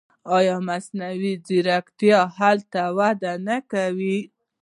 آیا مصنوعي ځیرکتیا هلته وده نه کوي؟